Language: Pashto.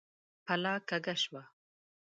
پله کږه شوه.